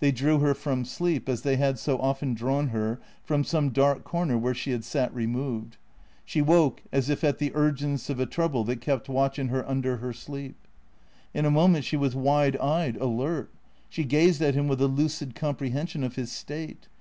They drew her from sleep, as they had so often drawn her from some dark corner where she had sat removed. She woke, as if at the urgence of a trouble that kept watch in her under her sleep. In a mo ment she was wide eyed, alert; she gazed at him with a lucid comprehension of his state.